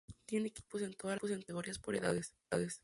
Tiene equipos en todas las Categorías por edades.